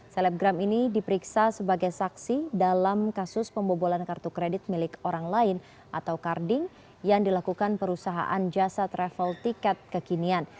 selebgram ini diperiksa sebagai saksi dalam kasus pembobolan kartu kredit milik orang lain atau karding yang dilakukan perusahaan jasa travel tiket kekinian